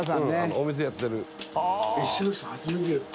お店やってる。